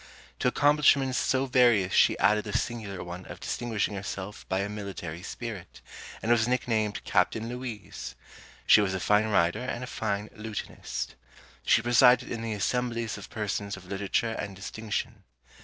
To accomplishments so various she added the singular one of distinguishing herself by a military spirit, and was nicknamed Captain Louise. She was a fine rider and a fine lutanist. She presided in the assemblies of persons of literature and distinction.